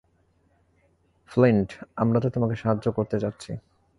Flint, আমরা তো তোমাকে সাহায্যই করতে চাচ্ছি!